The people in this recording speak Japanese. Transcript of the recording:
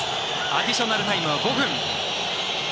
アディショナルタイムは５分。